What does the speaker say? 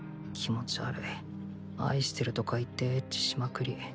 気持ち悪い愛してるとか言ってエッチしまくり